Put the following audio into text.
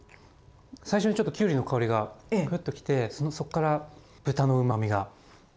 最初にちょっときゅうりの香りがグッと来てそっから豚のうまみが来て。